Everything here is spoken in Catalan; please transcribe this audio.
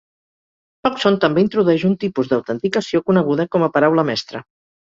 Hodgson també introdueix un tipus d'autenticació coneguda com a paraula mestra.